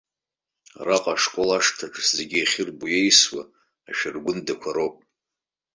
Араҟа, ашкол ашҭаҿы, зегьы иахьырбо иеисуа ашәыргәындақәа роуп.